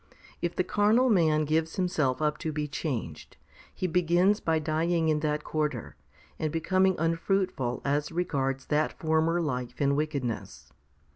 If the carnal man gives himself up to be changed, he begins by dying in that quarter, and becoming unfruitful as regards that former life in wicked ness.